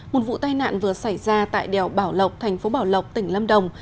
một vụ tai nạn vừa xảy ra tại đèo bảo lộc thành phố bảo lộc tỉnh lâm đồng